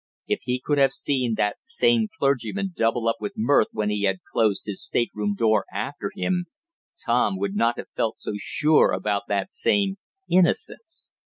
If he could have seen that same "clergyman" double up with mirth when he had closed his stateroom door after him, Tom would not have felt so sure about that same "innocence."